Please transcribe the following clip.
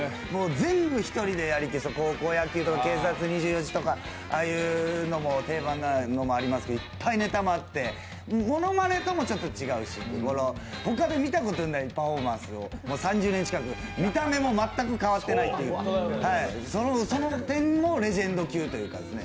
全部１人でやって、高校野球とか警察２４時とかああいう定番のものもいっぱいネタあってものまねともちょっと違うし他で見たことないパフォーマンスをもう３０年近く、見た目も全く変わっていないっていう、その点もレジェンド級というか。